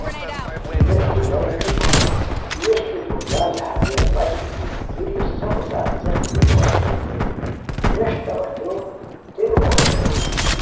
ای ووݰکی نانو ای پھولوک ای ووݰکی درونگار لہازیار بچ بیتی دُوری سفو سار څیق بیکو وجہن بیݰ توجہ دیونو باؤ اوشوئے